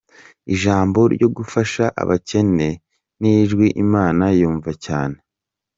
Ijambo ryo gufasha abakene, n’ijwi Imana yumva cyane.